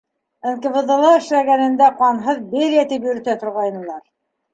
НКВД-ла эшләгәнендә «ҡанһыҙ Берия» тип йөрөтә торғайнылар.